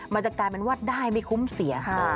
มันจะกลายเป็นว่าได้ไม่คุ้มเสียค่ะ